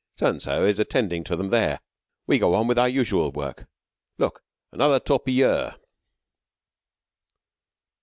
"So and so is attending to them there. We go on with our usual work. Look! Another torpilleur."